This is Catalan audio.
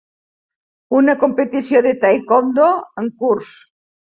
Una competició de Tae Kwon Do en curs.